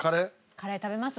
カレー食べます？